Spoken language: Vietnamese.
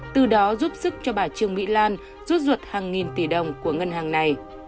từ đó giúp sức cho bà trương mỹ lan rút ruột hàng nghìn tỷ đồng của ngân hàng này